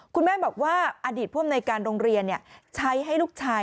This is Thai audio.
คุณแม่บอกว่าอดีตผู้อำนวยการโรงเรียนใช้ให้ลูกชาย